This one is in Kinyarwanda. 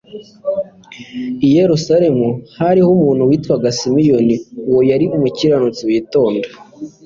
«I Yerusalemu hariho umuntu witwaga Simiyoni. Uwo yari umukiranutsi witonda;